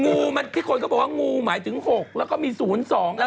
งูมันที่คนก็บอกว่างูหมายถึง๖แล้วก็มี๐๒แล้ว